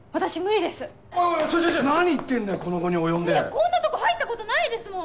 こんなとこ入ったことないですもん！